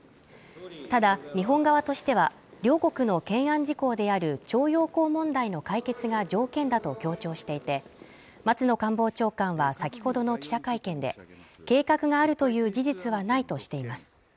ただ日本側としては両国の懸案事項である徴用工問題の解決が条件だと強調していて松野官房長官は先ほどの記者会見で計画があるという事実はないとしています